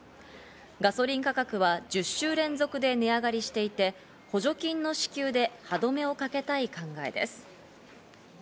ガソリン価格は１０週連続で値上がりしていて、補助金の支給で歯止めをかけたい考えです。